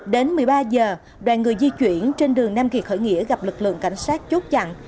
đến một mươi ba giờ đoàn người di chuyển trên đường nam kỳ khởi nghĩa gặp lực lượng cảnh sát chốt chặn